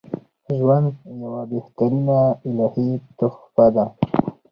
ژوند یوه بهترینه الهی تحفه ده